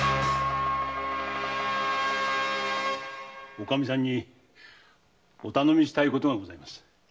おかみさんにお頼みしたいことがございます。